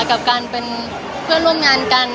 กับการบรรษงานกัน